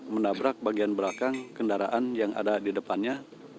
menabrak bagian belakang kendaraan yang ada di depannya